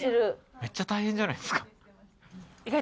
めっちゃ大変じゃないですか。